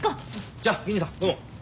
じゃあ銀次さんどうも。